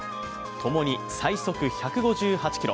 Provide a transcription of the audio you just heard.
共に最速１５８キロ